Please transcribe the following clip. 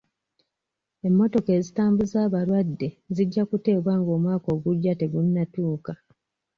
Emmotoka ezitambuza abalwadde zijja kuteebwa ng'omwaka ogujja tegunnatuuka.